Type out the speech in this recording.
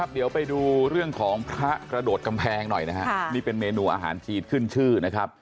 เดี๋ยวไปดูเรื่องของพระกระโดดกำแพงหน่อยนะฮะนี่เป็นเมนูอาหารจีนขึ้นชื่อนะครับ